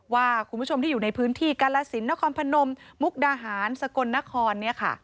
ว่าคุณผู้ชมที่อยู่ในพื้นที่กาลสินนครพนมมุกดาหารสกลนครเนี่ยค่ะ